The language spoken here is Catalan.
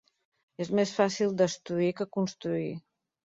És més fàcil destruir que construir.